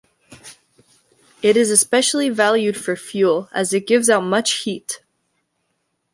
It is especially valued for fuel, as it gives out much heat.